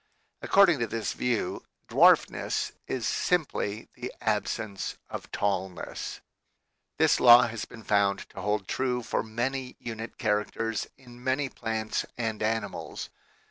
According to this view, dwarfness is simply the absence of tallness. WHAT IS TO BE DONE? in This law has been found to hold true for many unit characters in many plants and animals.